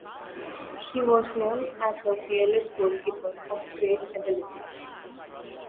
He was known as a fearless goalkeeper of great ability.